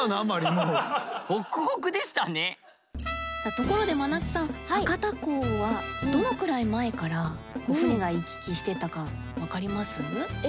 ところで真夏さん博多港はどのくらい前から船が行き来してたか分かります？え。